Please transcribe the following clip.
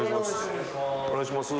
お願いします